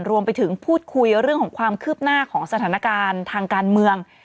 รวมไปถึงพูดคุยเรื่องของความคืบหน้าของสถานการณ์ทางการเมือง